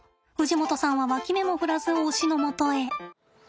氏夲さんは脇目も振らず推しのもとへ。